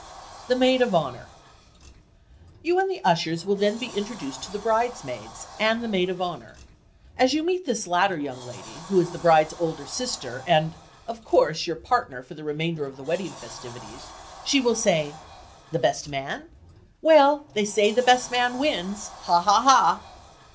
THE MAID OF HONOR You and the ushers will then be introduced to the bridesmaids and the maid of honor. As you meet this latter young lady, who is the bride's older sister and, of course, your partner for the remainder of the wedding festivities, she will say, "The best man? Well, they say that the best man wins... Ha! Ha! Ha!"